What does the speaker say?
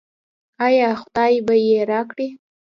آیا خدای به یې راکړي؟